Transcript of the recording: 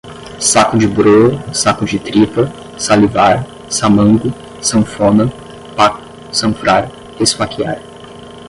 saco de broa, saco de tripa, salivar, samango, sanfona, paco, sanfrar, esfaquear